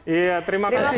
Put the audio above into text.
iya terima kasih